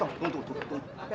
tunggu tunggu tunggu tunggu tunggu